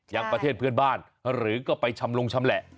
ยังประเทศเพื่อนบ้านหรือก็ไปชำลงชำแหละ